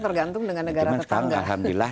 tergantung dengan negara tetangga